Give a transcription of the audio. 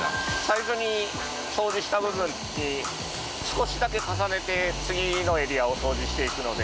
最初に掃除した部分に少しだけ重ねて次のエリアを掃除していくのでその分の誤差が出るので